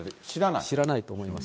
知らないと思います。